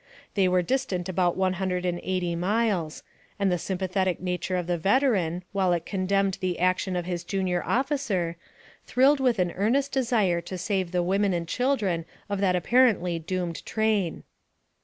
They were distant about one hundred and eighty miles, and the sympathetic nature of the veteran, while it condemned the action of his junior officer, thrilled with an earnest desire to save the women and children of that apparently doomed train.